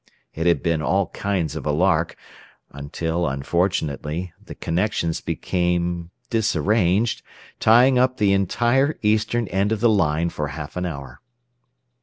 It had been "all kinds of a lark," until, unfortunately, the connections became disarranged, tying up the entire eastern end of the line for half an hour.